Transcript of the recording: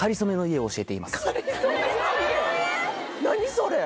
それ！